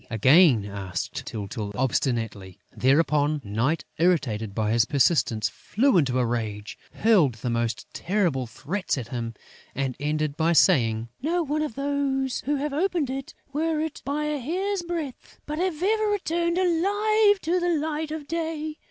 again asked Tyltyl, obstinately. Thereupon, Night, irritated by his persistency, flew into a rage, hurled the most terrible threats at him, and ended by saying: "Not one of those who have opened it, were it but by a hair's breadth, has ever returned alive to the light of day!